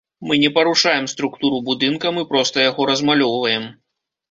Мы не парушаем структуру будынка, мы проста яго размалёўваем.